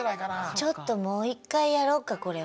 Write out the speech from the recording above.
ちょっともう一回やろうかこれは。